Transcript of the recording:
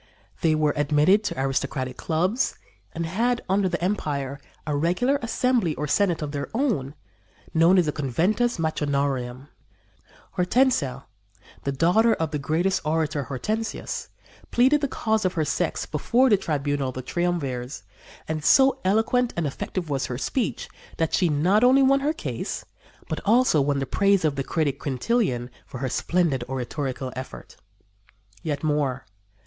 They were admitted to aristocratic clubs and had, under the empire, a regular assembly or senate of their own, known as the Conventus Matronarum. Hortensia, the daughter of the great orator Hortensius, pleaded the cause of her sex before the tribunal of the triumvirs, and so eloquent and effective was her speech that she not only won her case, but also won the praise of the critic, Quintilian, for her splendid oratorical effort. Yet more.